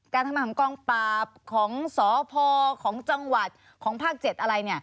การทำงานของกองปราบของสพของจังหวัดของภาค๗อะไร